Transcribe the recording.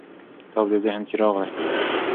کتاب د ذهن څراغ دی.